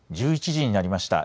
１１時になりました。